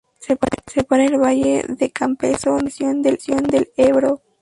Separa el valle de Campezo, de la depresión del Ebro.